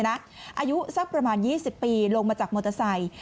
อายุสักประมาณ๒๐ปีลงมาจากมอเตอร์ไซค์